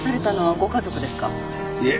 いえ。